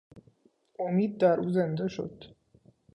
امید در او زنده شد.